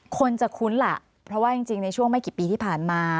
คนจะคุ้นล่ะเพราะว่าจริงในช่วงไม่กี่ปีที่ผ่านมา